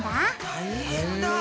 大変だ！